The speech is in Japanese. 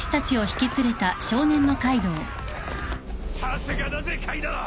さすがだぜカイドウ！